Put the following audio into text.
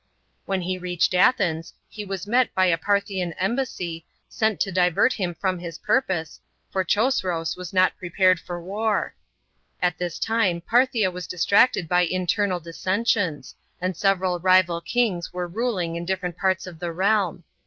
When he reached Athens he was met by a Parthian embassy, sent to divert him from his purpose, for Chosroes was not prepared for war. At this time Parthia was 113 A.P. TRAJAN'S ARMENIAN POLICY. 449 distracted by internal dissensions, and several rival kings were ruling in different parts of the realm.